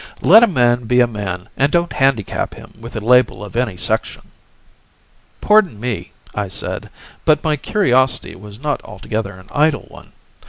Let a man be a man and don't handicap him with the label of any section." "Pardon me," I said, "but my curiosity was not altogether an idle one.